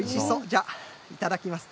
じゃあ、いただきます。